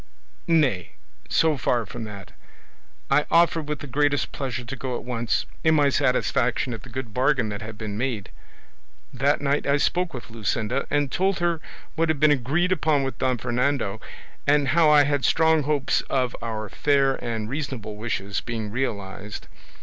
Nay; so far from that, I offered with the greatest pleasure to go at once, in my satisfaction at the good bargain that had been made. That night I spoke with Luscinda, and told her what had been agreed upon with Don Fernando, and how I had strong hopes of our fair and reasonable wishes being realised.